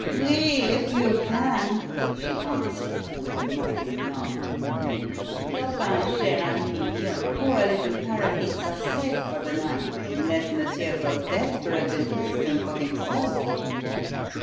"Oui! if you can!" she answered, with a mocking laugh. "Clopin, cher ami, your poor little parakeets are safe for the night unless monsieur grows desperate and eats them for himself."